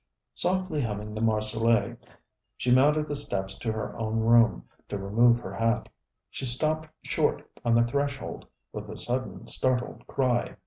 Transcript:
Softly humming the Marseillaise, she mounted the steps to her own room, to remove her hat. She stopped short on the threshhold with a sudden startled cry.